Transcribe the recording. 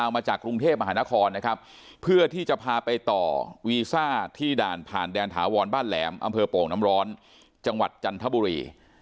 อำเภอปกติน้ำร้อนจังหวัดจันทับุรี